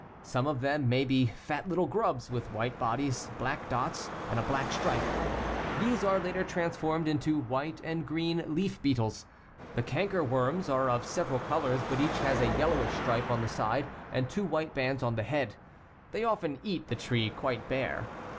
Some of them may be fat little grubs, with white bodies, black dots, and a black stripe; these are later transformed into white and green leaf beetles. The canker worms are of several colors, but each has a yellowish stripe on the side and two white bands on the head; they often eat the tree quite bare.